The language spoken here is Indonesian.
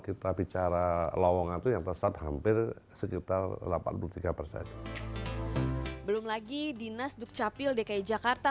kita bicara lowongan yang terserat hampir sekitar delapan puluh tiga persatu belum lagi dinas dukcapil dki jakarta